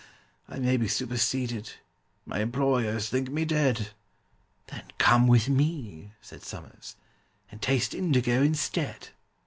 I may be superseded—my employers think me dead!" "Then come with me," said SOMERS, "and taste indigo instead."